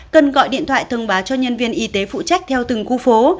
cần gọi điện thoại thông báo cho nhân viên y tế phụ trách theo từng khu phố